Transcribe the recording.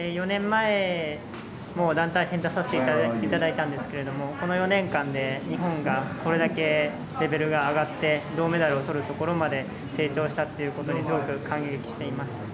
４年前も団体戦出させていただいたんですけどこの４年間で日本がこれだけレベルが上がって銅メダルをとるところまで成長したっていうことにすごく感激しています。